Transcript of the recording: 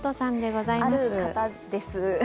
ある方です。